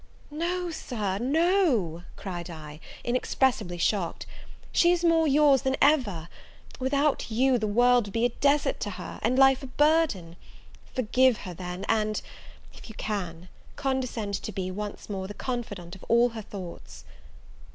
"No, Sir, no," cried I, inexpressibly shocked, "she is more your's than ever! Without you, the world would be a desert to her, and life a burthen: forgive her, then, and, if you can, condescend to be, once more, the confidant of all her thoughts."